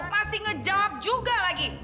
masih ngejawab juga lagi